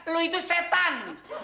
lo itu setan